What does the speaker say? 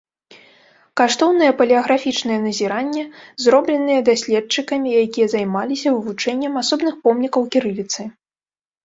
Каштоўныя палеаграфічныя назірання, зробленыя даследчыкамі, якія займаліся вывучэннем асобных помнікаў кірыліцы.